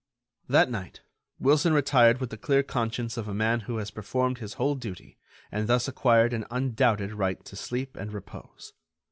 That night, Wilson retired with the clear conscience of a man who has performed his whole duty and thus acquired an undoubted right to sleep and repose.